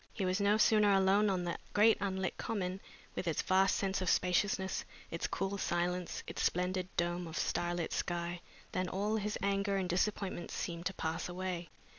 He was no sooner alone on the great unlit Common with its vast sense of spaciousness, its cool silence, its splendid dome of starlit sky, than all his anger and disappointment seemed to pass away.